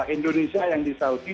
indonesia yang di saudi